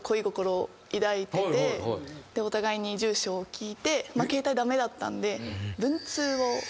お互いに住所を聞いて携帯駄目だったんで。